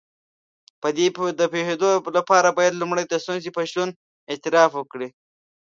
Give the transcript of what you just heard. په دې د پوهېدو لپاره بايد لومړی د ستونزې په شتون اعتراف وکړئ.